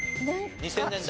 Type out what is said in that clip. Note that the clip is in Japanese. ２０００年代？